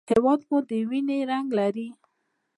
هیواد مې د وینو رنګ لري